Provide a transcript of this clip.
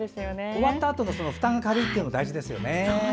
終わったあとの負担が軽いのも大事ですよね。